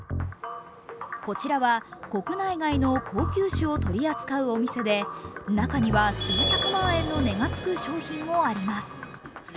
こちらは国内外の高級酒を取り扱うお店で中には数百万円の値が付く商品もあります。